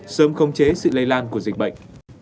sớm không chế sự lây lan của dịch bệnh